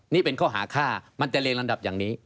นี่เป็นข้อหาฆ่ามันจะเรียงลำดับอย่างนี้